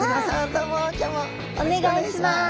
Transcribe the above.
どうも今日もよろしくお願いします。